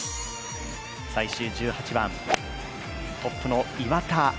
最終１８番、トップの岩田。